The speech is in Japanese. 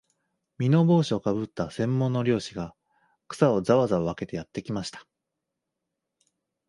簔帽子をかぶった専門の猟師が、草をざわざわ分けてやってきました